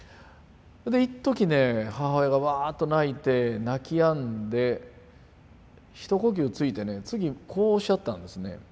いっときね母親がワーッと泣いて泣きやんで一呼吸ついてね次こうおっしゃったんですね。